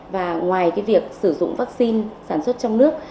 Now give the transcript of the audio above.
và ngoài việc sử dụng vắc xin sản xuất trong nước